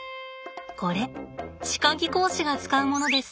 これ歯科技工士が使うものです。